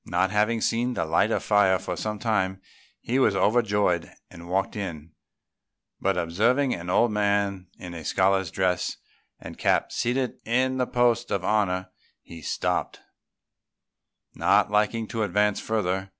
Not having seen the light of fire for some time, he was overjoyed and walked in; but observing an old man in a scholar's dress and cap seated in the post of honour, he stopped, not liking to advance further.